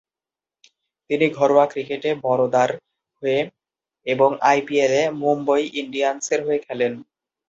তিনি ঘরোয়া ক্রিকেটে বরোদার হয়ে, এবং আইপিএলে মুম্বই ইন্ডিয়ান্সের হয়ে খেলেন।